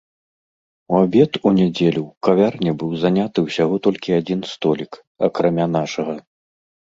У абед у нядзелю ў кавярні быў заняты ўсяго толькі адзін столік, акрамя нашага.